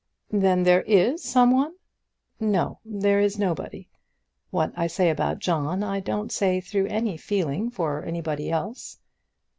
"Then there is some one?" "No, there is nobody. What I say about John I don't say through any feeling for anybody else."